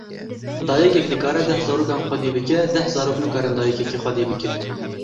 Dayîkek dikare deh zarokan xwedî bike, deh zarok nikarin dayîkekê xwedî bikin.